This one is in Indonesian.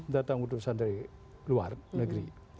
datang untuk sandari luar negeri